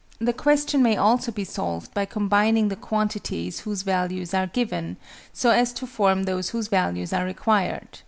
The question may also be solved by combining the quantities whose values are given, so as to form those whose values are required.